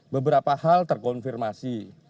beberapa hal terkonfirmasi